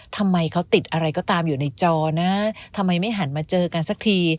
ทำไมเขาติดอะไรก็ตามอยู่ในจอนะทำไมไม่หันมาเจอกันสักที